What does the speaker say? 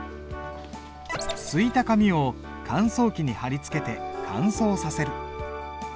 漉いた紙を乾燥機に張り付けて乾燥させる。